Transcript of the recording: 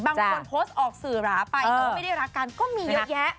บางคนโพสต์ออกสื่อหราไปแต่ว่าไม่ได้รักกันก็มีเยอะแยะ